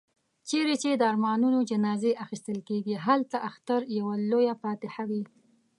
چيري چي د ارمانونو جنازې اخيستل کېږي، هلته اختر يوه لويه فاتحه وي.